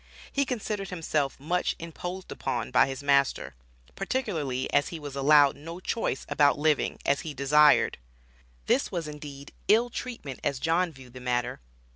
He considered himself much "imposed upon" by his master, particularly as he was allowed "no choice about living" as he "desired." This was indeed ill treatment as John viewed the matter.